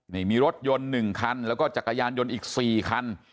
นี่มีรถยนต์๑คันแล้วก็จักรยานยนต์อีก๔คัน